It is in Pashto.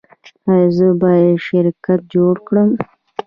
ایا زه باید شرکت جوړ کړم؟